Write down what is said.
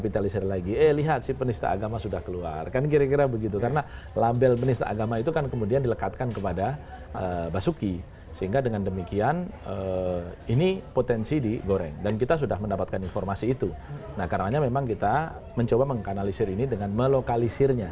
ingin menikmati kehidupan pribadinya